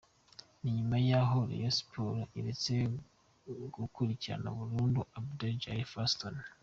Ni nyuma y’aho Rayon Sports iretse gukurikirana umurundi Abdul Razak Fiston.